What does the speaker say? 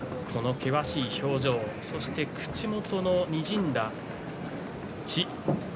険しい表情、そして口元のにじんだ血。